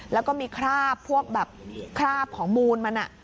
แล้วก็มีคราบพวกแบบคราบของมูลมัน